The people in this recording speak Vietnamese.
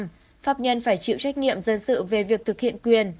pháp nhân phải chịu trách nhiệm dân sự về việc thực hiện quyền